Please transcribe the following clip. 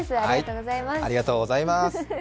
ありがとうございます。